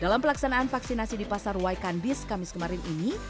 dalam pelaksanaan vaksinasi di pasar waikandis kamis kemarin ini